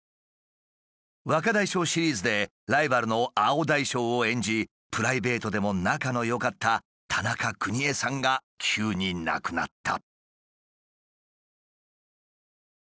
「若大将」シリーズでライバルの青大将を演じプライベートでも仲のよかった田中邦衛さんが急に亡くなった。